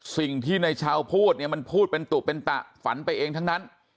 สิ่งที่ในชาวพูดเนี่ยมันพูดเป็นตุเป็นตะฝันไปเองทั้งนั้น